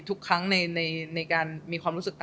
ทุกครั้งในการมีความรู้สึกต่าง